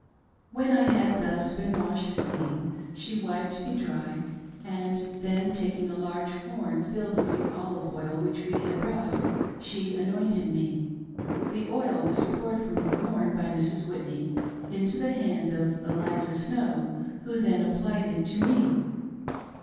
When I had thus been washed clean, she wiped 360 WASHINGS AND ANOINTINGS :— A MYSTERIOUS GARMENT. me dry, and then taking a large horn filled with the olive oil which we had brought, she anointed me. The oil was poured from the horn by Mrs. Whitney into the hand of Eliza Snow, who then applied it to me.